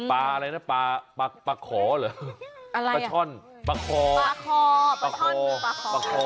ปลาอะไรนะปลาขอเหรอปลาช่อนปลาคอปลาคอ